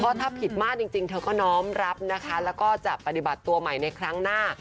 ถ้าผิดมากจริงเธอก็น้อมรับนะคะแล้วก็จะปฏิบัติตัวใหม่ในครั้งหน้า